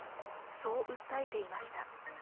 そう訴えていました。